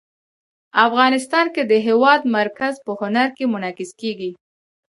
افغانستان کې د هېواد مرکز په هنر کې منعکس کېږي.